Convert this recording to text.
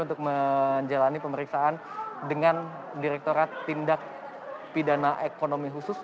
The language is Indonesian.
untuk menjalani pemeriksaan dengan direktorat tindak bidana ekonomi khusus